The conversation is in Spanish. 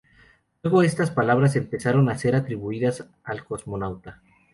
Luego estas palabras empezaron a ser atribuidas al cosmonauta.